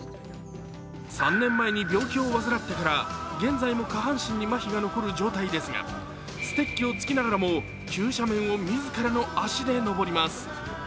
３年前に病気を患ってから現在も下半身にまひが残る状態ですがステッキをつきながらも急斜面を自らの脚で登ります。